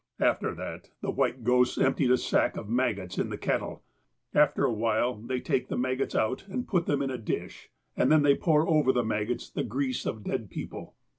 " After that, the white ghosts empty a sack of maggots* in the kettle. After a while they take the maggots out, and put them in a dish, and then they pour over the maggots the ' grease of dead people.'